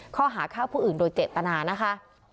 ข้อหาฆ่าผู้อื่นโดยเจตนานะคะ